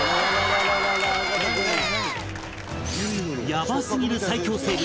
ヤバすぎる最恐生物